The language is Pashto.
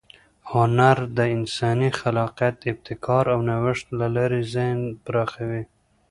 هنر د انساني خلاقیت، ابتکار او نوښت له لارې ذهن پراخوي.